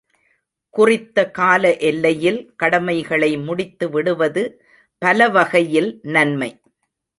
குறித்த கால எல்லையில் கடமைகளை முடித்துவிடுவது பலவகையில் நன்மை.